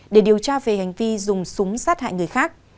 để điều tra về hành vi dùng súng sát hại người khác